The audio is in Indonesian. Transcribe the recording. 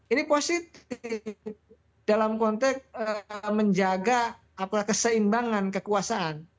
ini positif dalam konteks menjaga keseimbangan kekuasaan